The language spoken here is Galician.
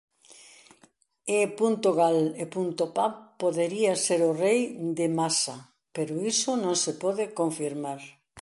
E.gal.pap podería ser o rei de Masa pero iso non se pode confirmar.